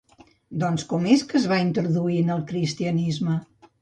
Doncs, com és que es va introduir en el cristianisme?